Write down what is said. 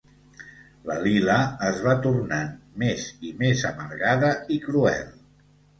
La Lila es va tornant més i més amargada i cruel.